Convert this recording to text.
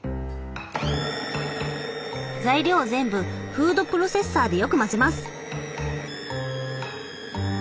材料を全部フードプロセッサーでよく混ぜます。